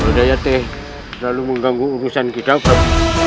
kalo dayateh terlalu mengganggu urusan kita pak